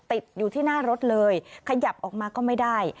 ติดอยู่ที่หน้ารถเลยขยับออกมาก็ไม่ได้